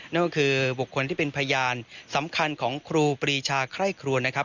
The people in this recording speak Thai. นั่นก็คือบุคคลที่เป็นพยานสำคัญของครูปรีชาไคร่ครวนนะครับ